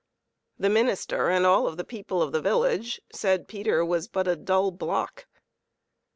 The minister and all of the people of the village said Peter was but a dull block.